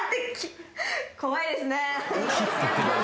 怖いですね。